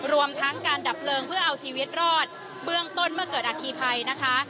รวมทั้งการดับเพลิงเพื่อเอาชีวิตรอดเบื้องต้นเมื่อเกิดอาคีภัยนะคะ